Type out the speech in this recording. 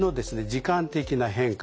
時間的な変化